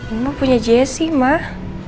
ini mah punya jesse mah